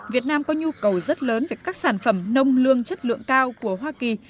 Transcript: việt nam có nhu cầu rất lớn về các sản phẩm nông lương chất lượng cao của hoa kỳ